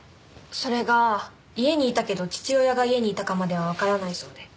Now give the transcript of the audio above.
それが家にいたけど父親が家にいたかまではわからないそうで。